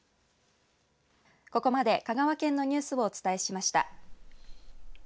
ここまで香川県のニュースをお伝えしました。